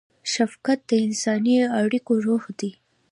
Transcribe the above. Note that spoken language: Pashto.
شفقت د انساني اړیکو روح دی.